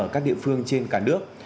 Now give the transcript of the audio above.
từ địa phương trên cả nước